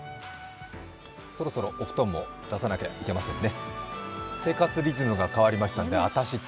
そろそろお布団も出さなきゃいけませんね。